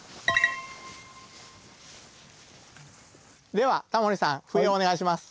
ではタモリさん笛をお願いします。